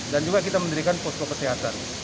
dan juga kita memberikan posko kesehatan